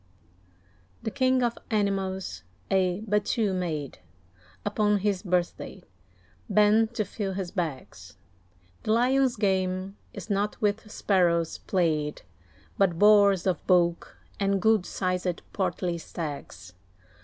The King of Animals a battue made Upon his birthday, bent to fill his bags. The Lion's game is not with sparrows played; But boars of bulk, and good sized portly stags.